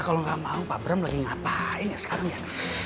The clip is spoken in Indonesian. kalau nggak mau pak bram lagi ngapain ya sekarang yang